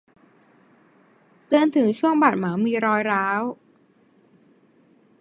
เตือนถึงช่วงบาดหมางมีรอยร้าว